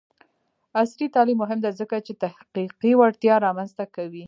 عصري تعلیم مهم دی ځکه چې تحقیقي وړتیا رامنځته کوي.